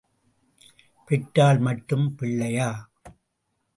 பெற்றால் மட்டும் பிள்ளையா?